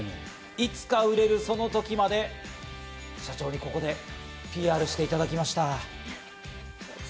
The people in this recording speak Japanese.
いつか売れるその時まで社長にここでＰＲしていただきました。